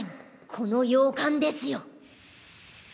この洋館ですよ。